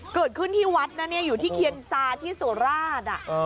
เกิดขึ้นที่วัดนะเนี่ยอยู่ที่เคียนซาที่สุราช